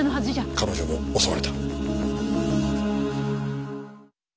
彼女も襲われた。